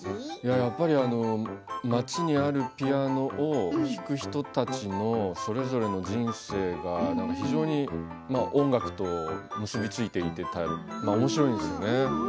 やっぱり街にあるピアノを弾く人たちのそれぞれの人生が非常に音楽と結び付いてたりおもしろいんですよね。